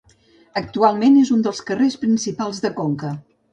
Actualment és un dels carrers principals de Conca.